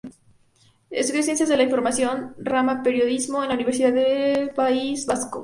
Estudió Ciencias de la Información, rama Periodismo, en la Universidad del País Vasco.